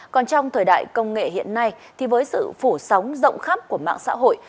còn trong thời đại công nghệ hiện nay thì với sự phủ sóng rộng khắp của mạng xã hội